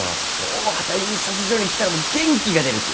大畑印刷所に来たらもう元気が出るき！